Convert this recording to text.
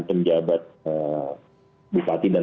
pejabat bupati dan